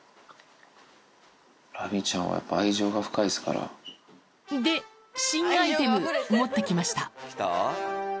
ラミちゃんはやっぱ愛情が深で、新アイテム持ってきました。